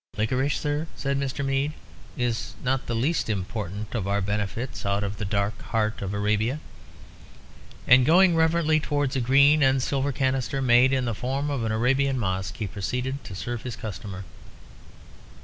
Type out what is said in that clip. "Liquorice, sire," said Mr. Mead, "is not the least important of our benefits out of the dark heart of Arabia." And going reverently towards a green and silver canister, made in the form of an Arabian mosque, he proceeded to serve his customer.